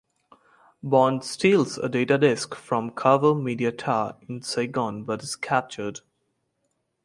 Bond steals a data disk from Carver Media Tower in Saigon but is captured.